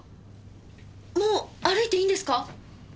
もう歩いていいんですか？